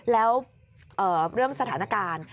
แล้วเรื่องสถานการณ์